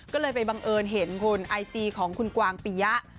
ก็เลยไปบังเอิญเห็นคุณไอจีของคุณกวางปิยะ